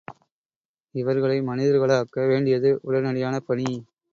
இவர்களை மனிதர்களாக்க வேண்டியது உடனடியான பணி!